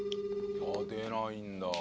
あっ出ないんだ。